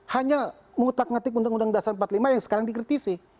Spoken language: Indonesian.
hanya mengutak ngatik uud empat puluh lima yang sekarang dikritisi